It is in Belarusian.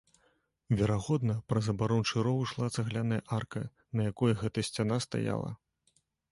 Верагодна, праз абарончы роў ішла цагляная арка, на якой гэта сцяна стаяла.